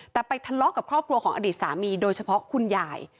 แต่ไปทะเลาะกับครอบครัวของอดีตสามีโดยเฉพาะคุณยาย